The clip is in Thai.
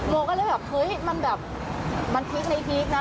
โมก็เลยแบบเฮ้ยมันแบบมันพีคในพีคนะ